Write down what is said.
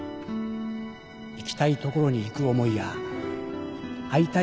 行きたい所に行く思いや会いたい人に会う思い